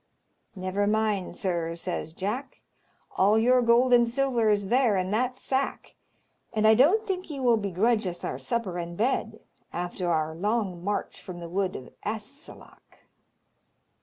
"Never mind, sir," says Jack, "all your gold and silver is there in that sack, and I don't think you will begrudge us our supper and bed after our long march from the wood of Athsalach."